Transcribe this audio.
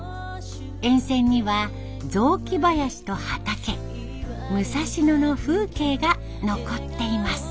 沿線には雑木林と畑武蔵野の風景が残っています。